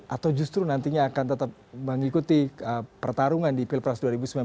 atau justru nantinya akan tetap mengikuti pertarungan di pilpres dua ribu sembilan belas